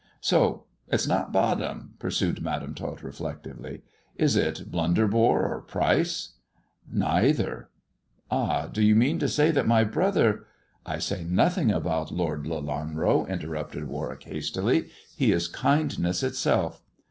So it's not Bottom," pursued Madam Tot reflectively; "is it Blunderbore or Pryce ?"" Neither." " Hah ! do you mean to say that my brother "" I say nothing about Lord Lelanro," interrupted War wick hastily ;" he is kindness itself.